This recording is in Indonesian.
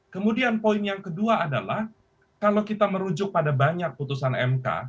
kemudian poin yang kedua adalah kalau kita merujuk pada banyak putusan mk